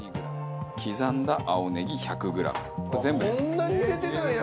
こんなに入れてたんや！